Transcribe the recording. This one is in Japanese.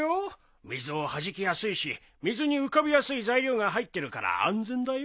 水をはじきやすいし水に浮かびやすい材料が入ってるから安全だよ。